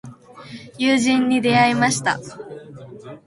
友人に出会いました。